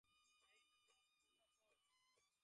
সে তুমি নিশ্চিন্ত থাকো।